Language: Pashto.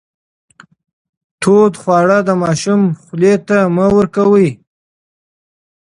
تود خواړه د ماشوم خولې ته مه ورکوئ.